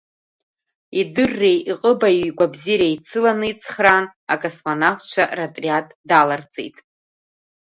Идырреи, иҟыбаҩи, игәабзиареи еицыланы ицхраан, акосмонавтцәа ротриад даларҵеит.